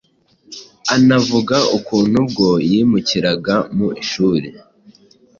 Anavuga ukuntu ubwo yimukiraga mu ishuri